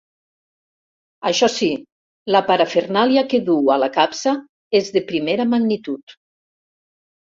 Això sí, la parafernàlia que duu a la capsa és de primera magnitud.